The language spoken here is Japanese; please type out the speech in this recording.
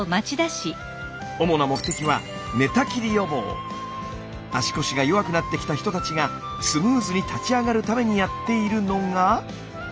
主な目的は足腰が弱くなってきた人たちがスムーズに立ち上がるためにやっているのが。